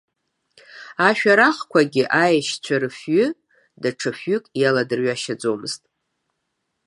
Ашәарахқәагьы аешьцәа рыфҩы, даҽа фҩык иаладырҩашьаӡомызт.